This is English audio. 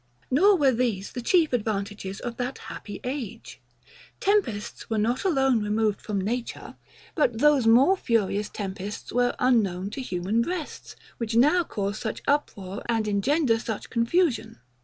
Nor were these the chief advantages of that happy age. Tempests were not alone removed from nature; but those more furious tempests were unknown to human breasts, which now cause such uproar, and engender such confusion.